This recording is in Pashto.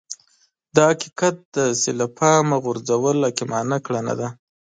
دا حقيقت دی چې له پامه غورځول حکيمانه کړنه ده.